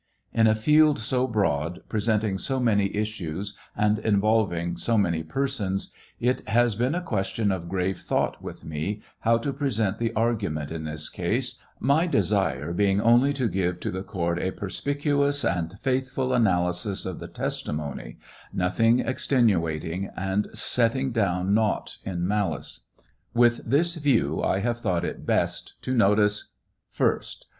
In a field so broad, presenting so many issues and involving so many persons, it has been a question of grave thought with me, how to present the argument in this case, my desire being only to give to the court a perspicuous and faithful analysis of the testimony, nothing extenuating and setting down naught in malice. With this view I have thought it best to notice — 1st.